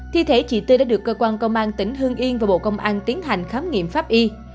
thi thể chị tư đã được cơ quan công an tỉnh hương yên và bộ công an tiến hành khám nghiệm pháp y